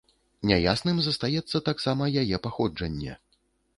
Няясным застаецца таксама яе паходжанне.